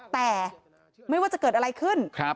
แต่ไม่ว่าจะเกิดอะไรขึ้น